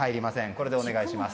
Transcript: これでお願いします。